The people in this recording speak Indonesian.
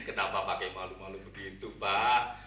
kenapa pakai malu malu begitu mbak